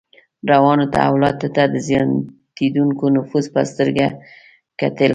روانو تحولاتو ته د زیاتېدونکي نفوذ په سترګه کتل.